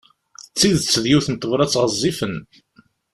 D tidet, d yiwet n tebrat ɣezzifen.